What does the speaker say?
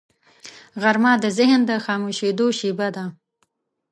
غرمه د ذهن د خاموشیدو شیبه ده